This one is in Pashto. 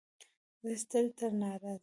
ـ زه ستړى ته ناراضي.